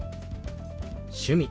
「趣味」。